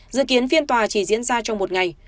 dự kiến phiên tòa chỉ diễn ra trong một ngày